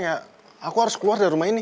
ya aku harus keluar dari rumah ini